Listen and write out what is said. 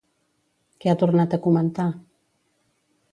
Què ha tornat a comentar?